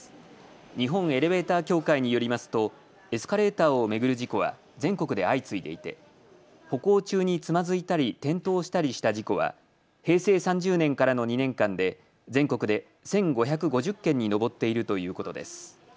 日本エレベーター協会によりますとエスカレーターを巡る事故は全国で相次いでいて歩行中につまずいたり転倒したりした事故は平成３０年からの２年間で全国で１５５０件に上っているということです。